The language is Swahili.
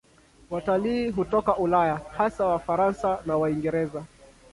Watalii hutoka Ulaya, hasa Wafaransa na Waingereza.